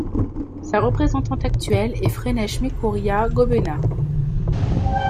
Sa représentante actuelle est Frenesh Mekuriya Gobena.